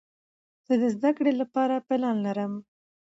زه د زده کړې له پاره پلان لرم.